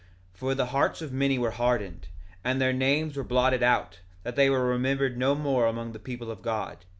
1:24 For the hearts of many were hardened, and their names were blotted out, that they were remembered no more among the people of God.